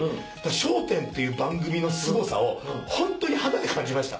『笑点』っていう番組のすごさをホントに肌で感じました。